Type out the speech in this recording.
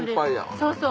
そうそう。